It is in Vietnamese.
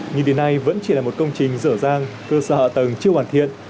nhưng đến nay vẫn chỉ là một công trình rở ràng cơ sở tầng chưa hoàn thiện